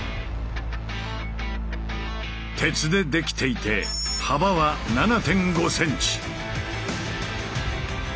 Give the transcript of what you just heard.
鉄でできていて幅は７．５ｃｍ。